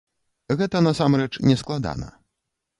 Гэта насамрэч не складана.